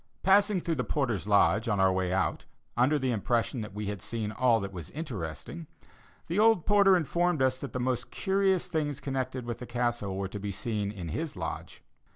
Passing through the porter's lodge on our way out, under the impression that we had seen all that was interesting, the old porter informed us that the most curious things connected with the Castle were to be seen in his lodge.